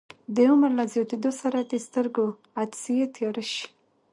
د عمر له زیاتیدو سره د سترګو عدسیې تیاره شي.